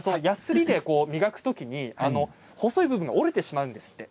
やすりで磨くときに細い部分が折れてしまうんです。